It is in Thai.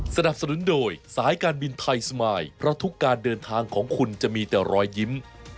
สนับสนุนโดยสายการบินไทยสมายเพราะทุกการเดินทางของคุณจะมีแต่รอยยิ้ม